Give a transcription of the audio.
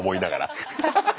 ハハハハハ。